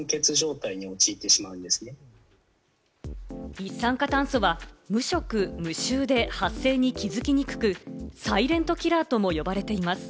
一酸化炭素は無色・無臭で発生に気づきにくく、サイレントキラーとも呼ばれています。